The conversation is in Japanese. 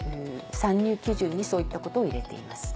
参入基準にそういったことを入れています。